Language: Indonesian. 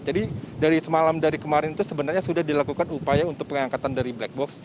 jadi dari semalam dari kemarin itu sebenarnya sudah dilakukan upaya untuk pengangkatan dari black box